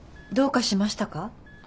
どうかしましたか？